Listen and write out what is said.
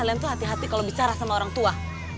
kalian tuh hati hati kalau bicara sama orang tua